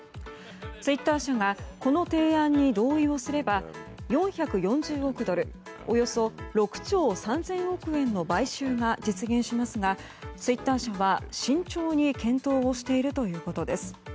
ツイッター社がこの提案に同意をすれば４４０億ドルおよそ６兆３０００億円の買収が実現しますがツイッター社は慎重に検討をしているということです。